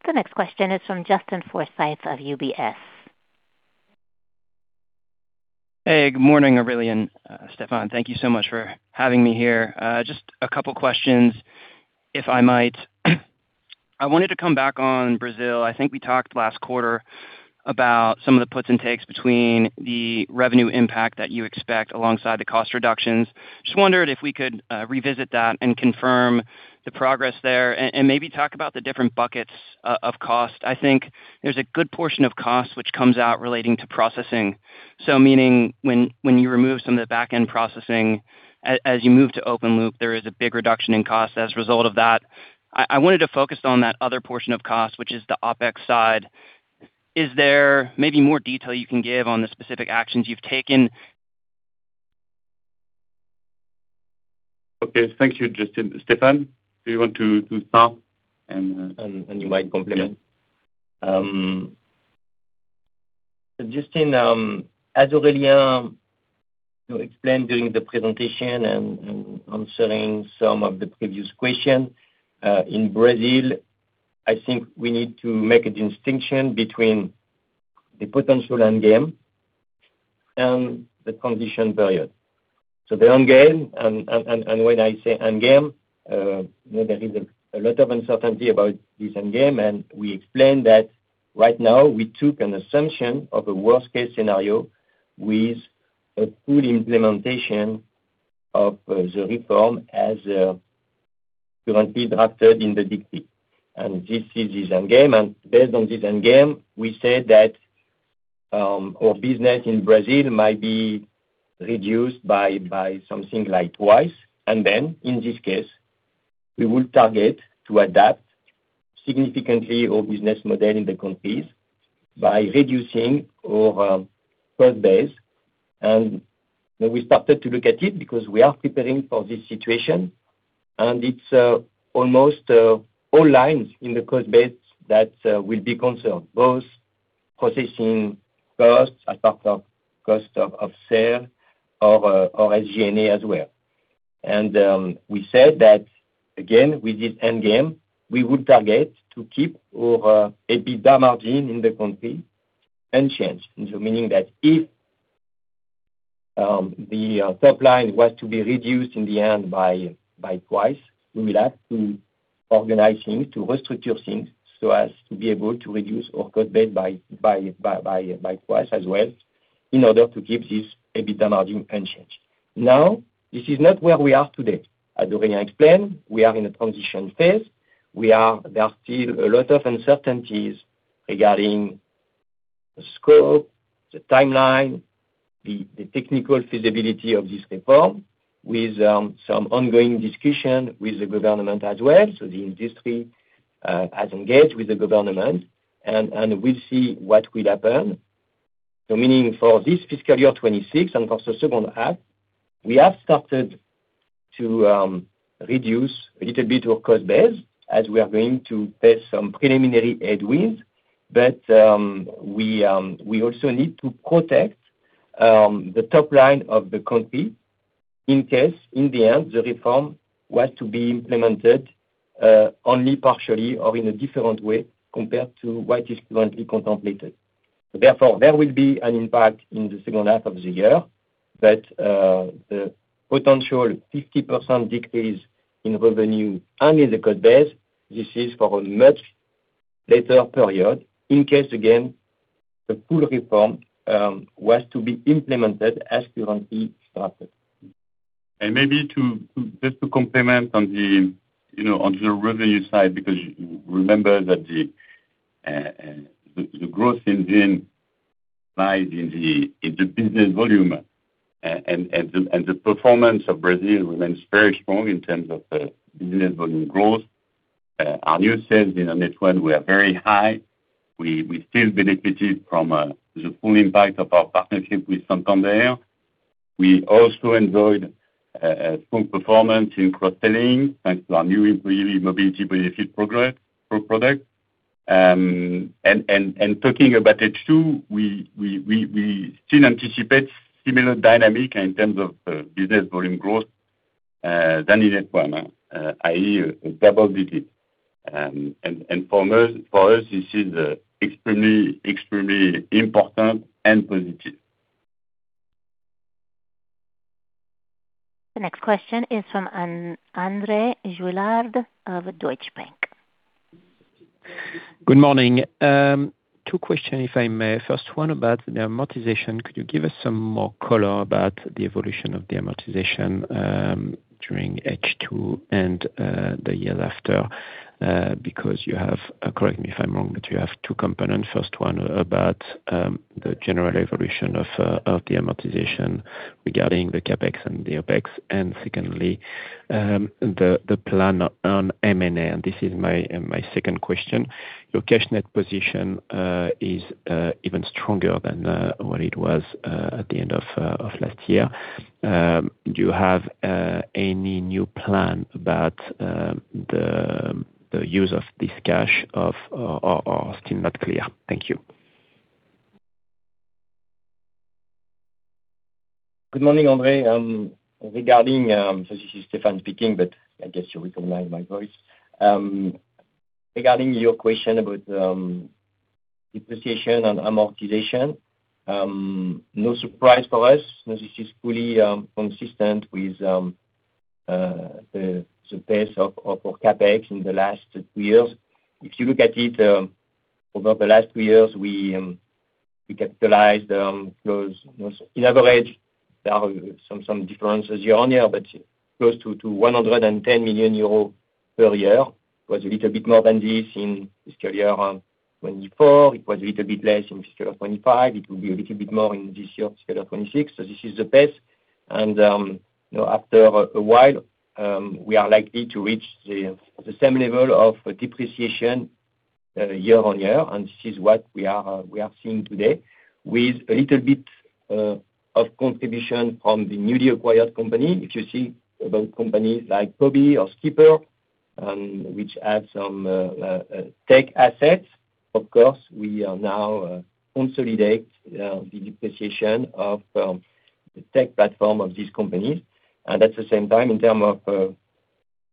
The next question is from Justin Forsythe of UBS. Hey, good morning, Aurélien, Stéphane. Thank you so much for having me here. Just a couple questions, if I might. I wanted to come back on Brazil. I think we talked last quarter about some of the puts and takes between the revenue impact that you expect alongside the cost reductions. Just wondered if we could revisit that and confirm the progress there, and maybe talk about the different buckets of cost. I think there's a good portion of cost which comes out relating to processing. Meaning when you remove some of the back-end processing as you move to open loop, there is a big reduction in cost as a result of that. I wanted to focus on that other portion of cost, which is the OpEx side. Is there maybe more detail you can give on the specific actions you've taken? Okay. Thank you, Justin. Stéphane, do you want to start. You might complement. Yeah. Justin, as Aurélien explained during the presentation and answering some of the previous question, in Brazil, I think we need to make a distinction between the potential end game and the transition period. The end game, and when I say end game, there is a lot of uncertainty about this end game, and we explained that right now, we took an assumption of a worst case scenario with a full implementation of the reform as currently drafted in the decree. This is his end game, and based on this end game, we said that our business in Brazil might be reduced by something like twice. Then in this case, we will target to adapt significantly our business model in the country by reducing our cost base. We started to look at it because we are preparing for this situation, and it's almost all lines in the cost base that will be concerned, both processing costs as part of cost of sale or SG&A as well. We said that again, with this end game, we would target to keep our EBITDA margin in the country unchanged. Meaning that if the top line was to be reduced in the end by twice, we will have to organize to restructure things so as to be able to reduce our cost base by twice as well in order to keep this EBITDA margin unchanged. Now, this is not where we are today. As Aurélien explained, we are in a transition phase. There are still a lot of uncertainties regarding the scope, the timeline, the technical feasibility of this reform with some ongoing discussion with the government as well. The industry has engaged with the government, and we'll see what will happen. Meaning for this fiscal year 2026 and for the second half, we have started to reduce a little bit of cost base as we are going to face some preliminary headwinds. We also need to protect the top line of the country in case in the end, the reform was to be implemented only partially or in a different way compared to what is currently contemplated. Therefore, there will be an impact in the second half of the year. The potential 50% decrease in revenue under the code base, this is for a much later period in case, again, the full reform was to be implemented as per when it started. Maybe just to complement on the revenue side, because remember that the growth engine lies in the business volume. The performance of Brazil remains very strong in terms of the business volume growth. Our new sales in H1 were very high. We still benefited from the full impact of our partnership with Santander. We also enjoyed a strong performance in cross-selling, thanks to our new employee mobility benefit pro product. Talking about H2, we still anticipate similar dynamics in terms of business volume growth, than in H1, i.e., double digits. For us this is extremely important and positive. The next question is from André Juillard of Deutsche Bank. Good morning. Two questions, if I may. First one about the amortization. Could you give us some more color about the evolution of the amortization during H2 and the year after? Because you have, correct me if I'm wrong, but you have two components. First one about the general evolution of the amortization regarding the CapEx and the OpEx. Secondly, the plan on M&A. This is my second question. Your net cash position is even stronger than what it was at the end of last year. Do you have any new plan about the use of this cash or still not clear? Thank you. Good morning, André. This is Stéphane speaking, but I guess you recognize my voice. Regarding your question about depreciation and amortization. No surprise for us. No, this is fully consistent with the pace of our CapEx in the last two years. If you look at it, over the last two years, we capitalized those, in average, there are some differences year on year, but close to 110 million euros per year. It was a little bit more than this in fiscal year 2024. It was a little bit less in fiscal year 2025. It will be a little bit more in this year of fiscal year 2026. This is the pace. After a while, we are likely to reach the same level of depreciation year on year. This is what we are seeing today with a little bit of contribution from the newly acquired company. If you think about companies like Cobee or Skipr, which have some tech assets, of course, we are now consolidating the depreciation of the tech platform of these companies. At the same time, in terms of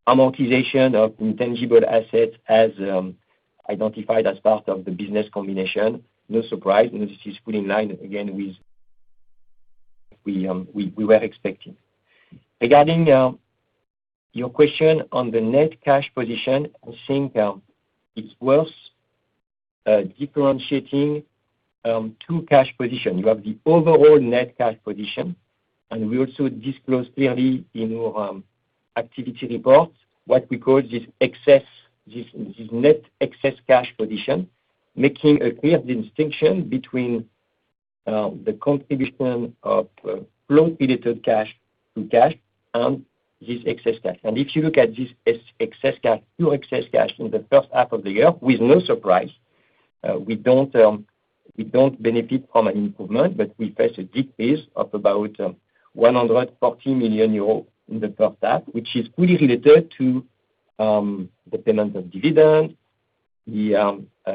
amortization of intangible assets identified as part of the business combination, no surprise. No, this is fully in line, again, with what we were expecting. Regarding your question on the net cash position, I think it's worth differentiating two cash positions. You have the overall net cash position, and we also disclose clearly in our activity report what we call the net excess cash position, making a clear distinction between the contribution of flow-related cash-to-cash and this excess cash. If you look at this excess cash, pure excess cash in the first half of the year, with no surprise, we don't benefit from an improvement, but we face a decrease of about 140 million euros in the first half, which is fully related to the payment of dividend, the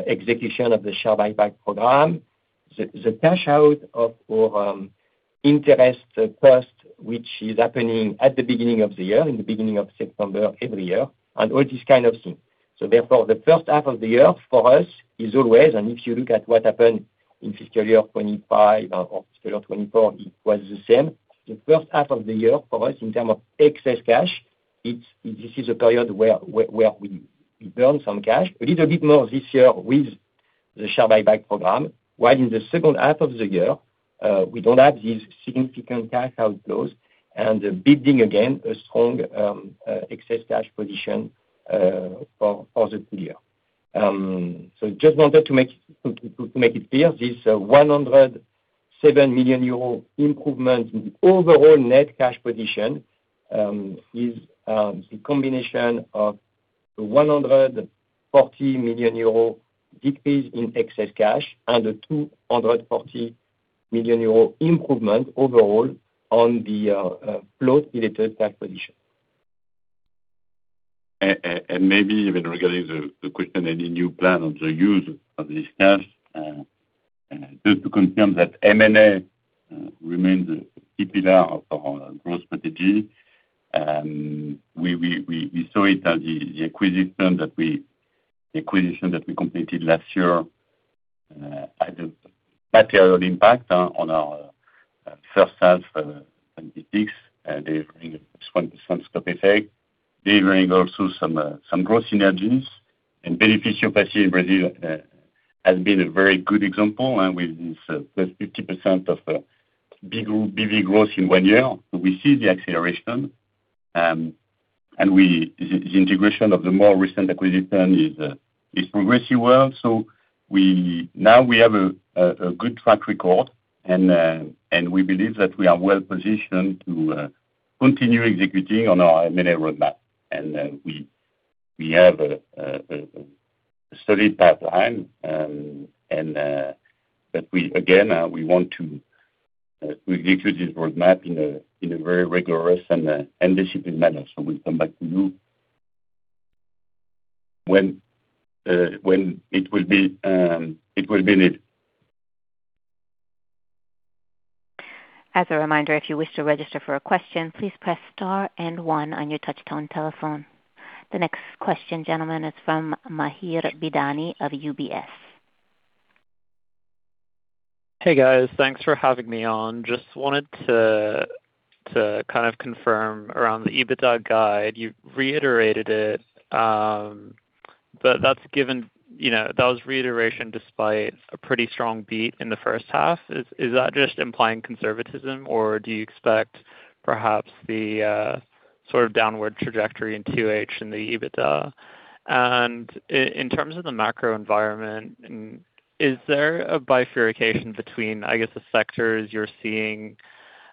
execution of the share buyback program, the cash out of our interest cost, which is happening at the beginning of the year, in the beginning of September every year, and all this kind of thing. Therefore, the first half of the year for us is always, and if you look at what happened in FY 2025 or FY 2024, it was the same. The first half of the year for us, in terms of excess cash, this is a period where we burn some cash. A little bit more this year with the share buyback program, while in the second half of the year, we don't have these significant cash outflows and building again, a strong excess cash position, for the full year. Just wanted to make it clear, this 107 million euro improvement in the overall net cash position, is the combination of 140 million euro decrease in excess cash and a 240 million euro improvement overall on the flow-related cash position. Maybe even regarding the question, any new plan on the use of this cash, just to confirm that M&A remains a pillar of our growth strategy. We saw it as the acquisition that we completed last year had a material impact on our first half, delivering also some growth synergies and benefit in Brazil has been a very good example with this +50% BV growth in one year. We see the acceleration, and the integration of the more recent acquisition is progressing well. Now we have a good track record, and we believe that we are well positioned to continue executing on our M&A roadmap. We have a steady pipeline, but again, we execute this roadmap in a very rigorous and disciplined manner. We'll come back to you when it will be needed. As a reminder, if you wish to register for a question, please press star and one on your touchtone telephone. The next question, gentlemen, is from Mahir Bidani of UBS. Hey, guys. Thanks for having me on. Just wanted to kind of confirm around the EBITDA guide. You reiterated it, but that was reiteration despite a pretty strong beat in the first half. Is that just implying conservatism or do you expect perhaps the sort of downward trajectory in 2H in the EBITDA? In terms of the macro environment, is there a bifurcation between, I guess the sectors you're seeing,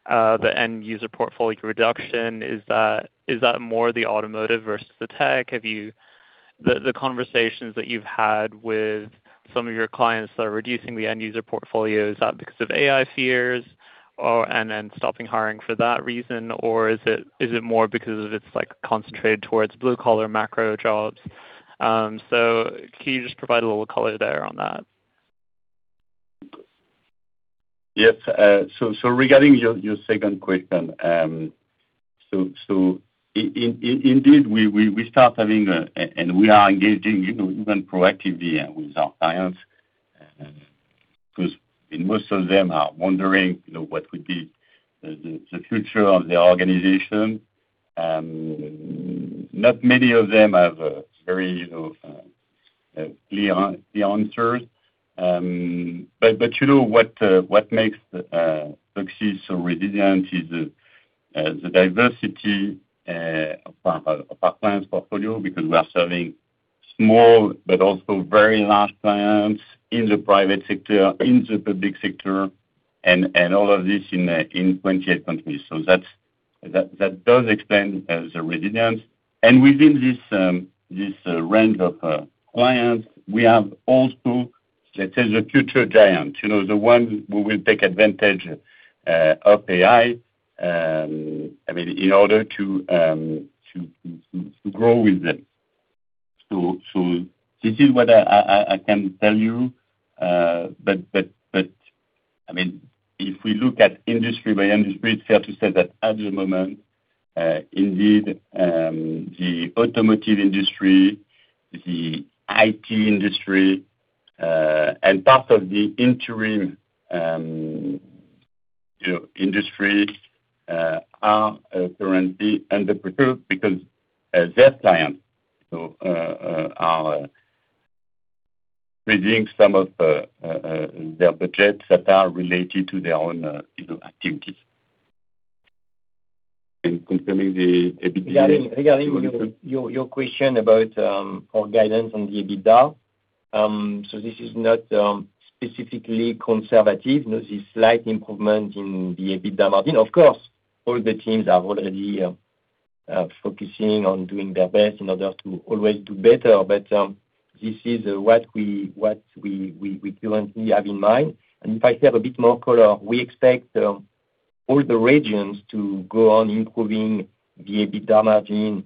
the end user portfolio reduction, is that more the automotive versus the tech? The conversations that you've had with some of your clients that are reducing the end user portfolio, is that because of AI fears and then stopping hiring for that reason? Or is it more because it's concentrated towards blue collar macro jobs? Can you just provide a little color there on that? Yes. Regarding your second question, indeed we start having and we are engaging even proactively with our clients because most of them are wondering what would be the future of the organization. Not many of them have very clear answers. What makes Pluxee so resilient is the diversity of our clients' portfolio, because we are serving small but also very large clients in the private sector, in the public sector, and all of this in 28 countries. That does explain the resilience. Within this range of clients, we have also, let's say, the future giant, the one who will take advantage of AI, in order to grow with them. This is what I can tell you. If we look at industry by industry, it's fair to say that at the moment, indeed, the automotive industry, the IT industry, and part of the interim industries are currently under pressure because their clients are reducing some of their budgets that are related to their own activities, confirming the EBITDA. Regarding your question about our guidance on the EBITDA. This is not specifically conservative. There's a slight improvement in the EBITDA margin. Of course, all the teams are already focusing on doing their best in order to always do better. This is what we currently have in mind. If I have a bit more color, we expect all the regions to go on improving the EBITDA margin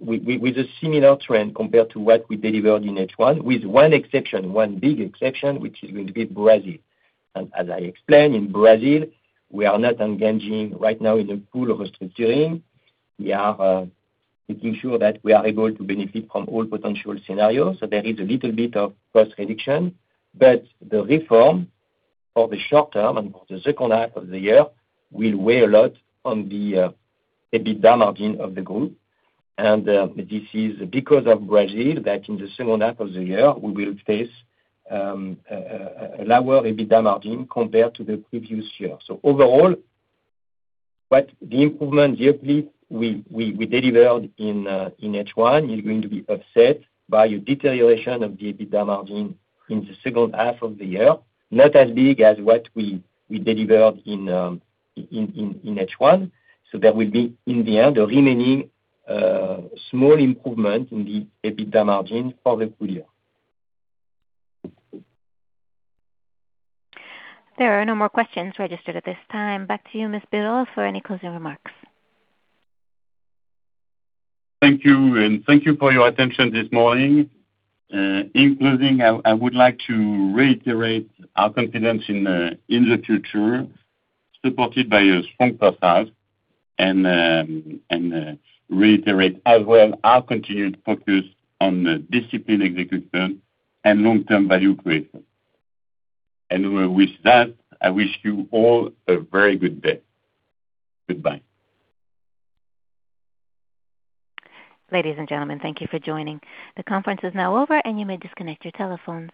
with a similar trend compared to what we delivered in H1, with one exception, one big exception, which is going to be Brazil. As I explained, in Brazil, we are not engaging right now in a pool of restructuring. We are making sure that we are able to benefit from all potential scenarios. There is a little bit of cost reduction. The reform for the short term and for the second half of the year will weigh a lot on the EBITDA margin of the group. This is because of Brazil, that in the second half of the year, we will face a lower EBITDA margin compared to the previous year. Overall, but the improvement yearly we delivered in H1 is going to be offset by a deterioration of the EBITDA margin in the second half of the year, not as big as what we delivered in H1. There will be, in the end, a remaining small improvement in the EBITDA margin for the full year. There are no more questions registered at this time. Back to you, Ms. Bireaud, for any closing remarks. Thank you, and thank you for your attention this morning. In closing, I would like to reiterate our confidence in the future, supported by a strong first half, and reiterate as well our continued focus on disciplined execution and long-term value creation. With that, I wish you all a very good day. Goodbye. Ladies and gentlemen, thank you for joining. The conference is now over, and you may disconnect your telephones.